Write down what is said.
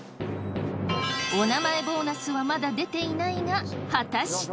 お名前ボーナスはまだ出ていないが果たして！？